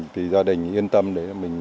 thì gia đình yên tâm để mình